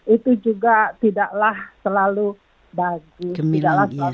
itu juga tidaklah selalu bagus tidaklah selalu baik